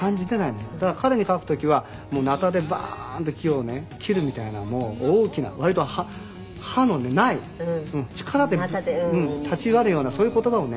だから彼に書く時はなたでバーンって木をね切るみたいな大きな割と刃のねない力でかち割るようなそういう言葉をね